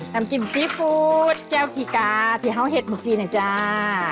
นำจิ้มซีฟู้ดแจ้วขี้กาที่ข้าวเห็ดมะกรีน่ะจ้ะ